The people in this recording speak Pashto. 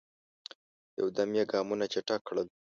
یو دم یې ګامونه چټک کړل.